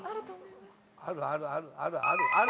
あるあるあるあるある。